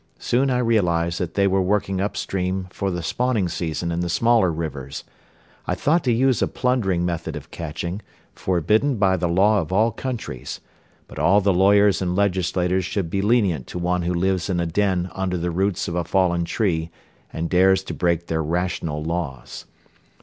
Soon I realized that they were working up stream for the spawning season in the smaller rivers. I thought to use a plundering method of catching, forbidden by the law of all countries; but all the lawyers and legislators should be lenient to one who lives in a den under the roots of a fallen tree and dares to break their rational laws.